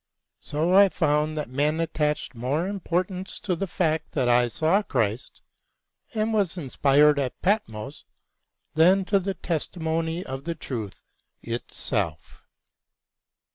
So I found that men attached more importance to the fact that I saw Christ and was inspired at Patmos than to the testimony of the truth itself.